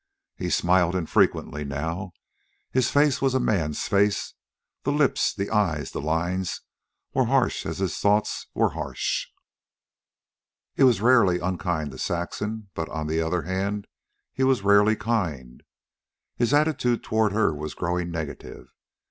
He smiled infrequently now. His face was a man's face. The lips, the eyes, the lines were harsh as his thoughts were harsh. He was rarely unkind to Saxon; but, on the other hand he was rarely kind. His attitude toward her was growing negative.